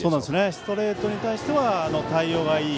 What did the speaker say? ストレートに対しては対応がいい。